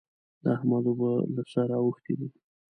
د احمد اوبه له سره اوښتې دي.